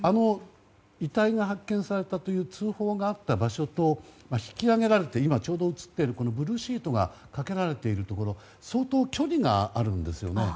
遺体が発見されたという通報があった場所と引き揚げられてブルーシートがかけられているところ相当距離があるんですよね。